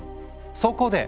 そこで！